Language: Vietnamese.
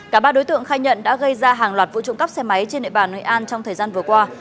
cả ba đối tượng khai nhận đã gây ra hàng loạt vụ trộm cắp xe máy trên nệ bàn hội an trong thời gian vừa qua